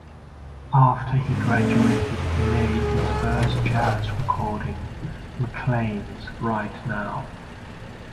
After he graduated he made his first jazz recording, McLean's Right Now!